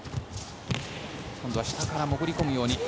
今度は下から潜り込むように。